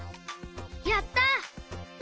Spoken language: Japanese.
やった！